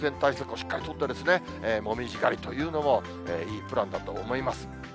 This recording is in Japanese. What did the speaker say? しっかり取って、紅葉狩りというのもいいプランだと思います。